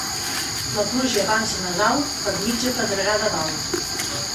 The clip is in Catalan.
La pluja abans de Nadal, per mitja pedregada val.